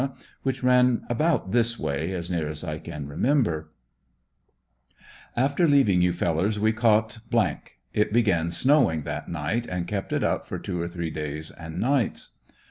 which ran about this way, as near as I can remember: "After leaving you fellers we caught . It began snowing that night, and kept it up for two or three days and nights.